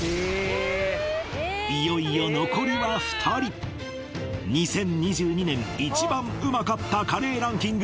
いよいよ残りは２人２０２２年一番うまかったカレーランキング